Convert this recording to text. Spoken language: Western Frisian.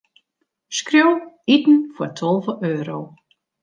Skriuw: iten foar tolve euro.